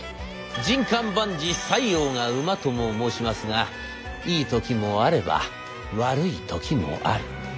「人間万事塞翁が馬」とも申しますがいい時もあれば悪い時もある。